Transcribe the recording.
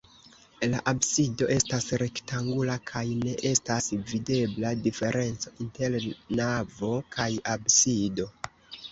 La absido estas rektangula kaj ne estas videbla diferenco inter navo kaj absido.